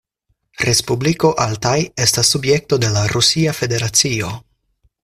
Respubliko Altaj' estas subjekto de la Rusia Federacio.